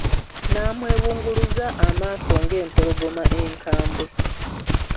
N'amwebunguluza amaaso ng'empologoma enkambwe.